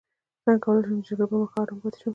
څنګه کولی شم د جګړې پر مهال ارام پاتې شم